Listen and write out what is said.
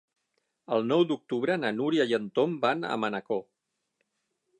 El nou d'octubre na Núria i en Tom van a Manacor.